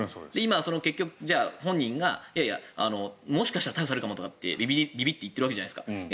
結局、本人がもしかしたら逮捕されるかもってびびって言っているわけじゃないですか。